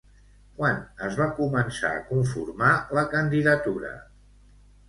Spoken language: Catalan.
Quan es va començar a conformar la candidatura?